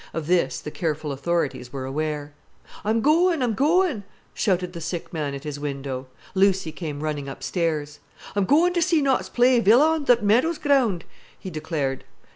Of this the careful authorities were aware. "I'm goin', I'm goin'!" shouted the sick man at his window. Lucy came running upstairs. "I'm goin' ter see Notts play Villa on th' Meadows ground," he declared.